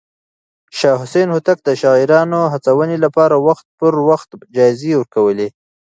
شاه حسين هوتک د شاعرانو هڅونې لپاره وخت پر وخت جايزې ورکولې.